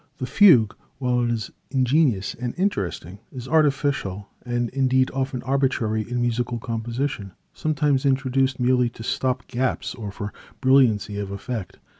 The fugue, while it is ingenious and interesting, is artificial and, indeed often arbitrary in musical composition, sometimes introduced merely to stop gaps or for brilliancy of effect.